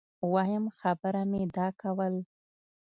وایم خبره مي دا کول